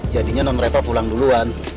jadinya non reva pulang duluan